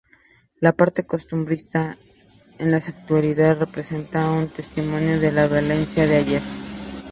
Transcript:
La parte costumbrista en la actualidad representa un testimonio de la Valencia de ayer.